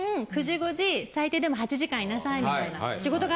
最低でも８時間いなさいみたいな。